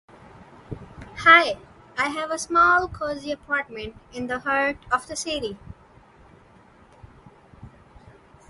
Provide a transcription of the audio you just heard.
I have a small cozy apartment in the heart of the city.